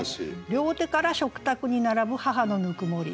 「両手から食卓に並ぶ母の温もり」。